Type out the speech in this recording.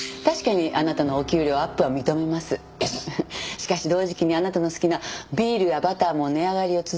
しかし同時期にあなたの好きなビールやバターも値上がりを続けています。